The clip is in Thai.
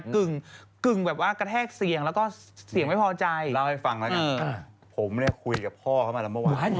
คือกึ่งแบบว่ากระแทกเสียงแล้วก็เสียงเป็นว่าไม่พอใจ